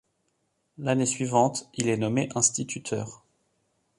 L'année suivante, il est nommé instituteur.